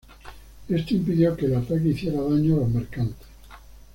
Esto impidió que el ataque hiciera daño a los mercantes.